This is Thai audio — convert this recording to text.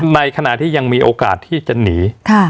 ในขณะที่ยังมีโอกาสที่จะหนี